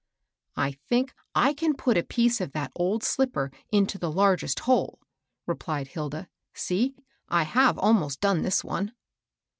" I think I can put a piece of that old slipper into the largest hole," replied Hilda. "See, I have almost done this one."